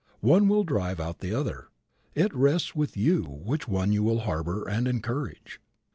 One will drive out the other. It rests with you which one you will harbor and encourage.